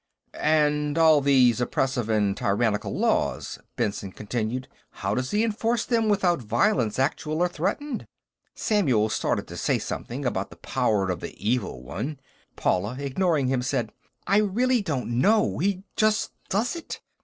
"And all these oppressive and tyrannical laws," Benson continued. "How does he enforce them, without violence, actual or threatened?" Samuel started to say something about the Power of the Evil One; Paula, ignoring him, said: "I really don't know; he just does it.